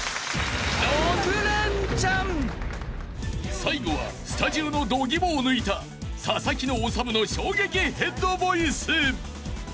［最後はスタジオの度肝を抜いたササキのオサムの衝撃ヘッドボイス！］